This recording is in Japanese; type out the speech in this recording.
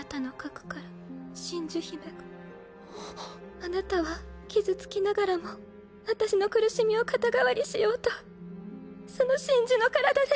あなたは傷つきながらも私の苦しみを肩代わりしようとその真珠の体で。